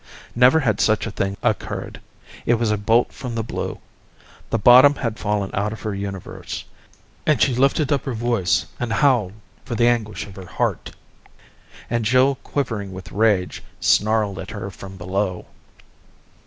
Never had such a thing occurred ; it was a bolt from the blue ; the bottom had fallen out of her universe, and she lifted up her voice and howled for the anguish of her heart. And Jill quivering with rage snarled at her from below.